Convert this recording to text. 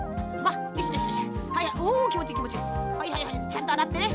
ちゃんとあらってね。